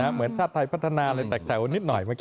เหมือนชาติไทยพัฒนาเลยแตกแถวนิดหน่อย